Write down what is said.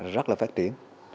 rất là phát triển